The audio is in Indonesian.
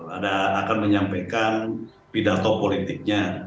ada akan menyampaikan pidato politiknya